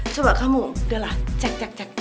coba kamu udahlah cek cek cek